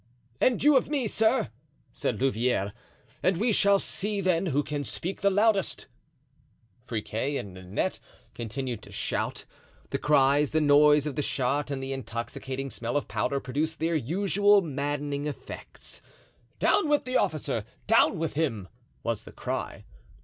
"And you of me, sir," said Louvieres; "and we shall see then who can speak the loudest." Friquet and Nanette continued to shout; the cries, the noise of the shot and the intoxicating smell of powder produced their usual maddening effects. "Down with the officer! down with him!" was the cry.